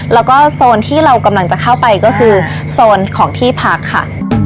แล้วก็โซนที่เรากำลังจะเข้าไปก็คือโซนของที่พักค่ะ